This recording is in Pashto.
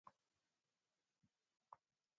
کورس د موخو لاسته راوړنه ده.